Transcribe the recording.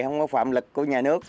không có phạm lực của nhà nước